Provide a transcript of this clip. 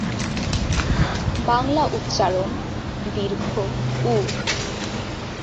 বাংলা উচ্চারণ দীর্ঘ -উ।